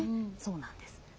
そうなんです。